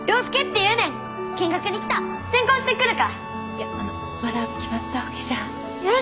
いやあのまだ決まったわけじゃ。